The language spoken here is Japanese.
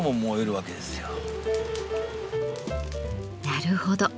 なるほど。